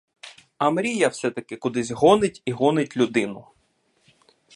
А мрія все-таки кудись гонить і гонить людину.